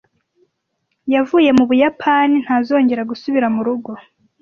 Yavuye mu Buyapani, ntazongera gusubira mu rugo.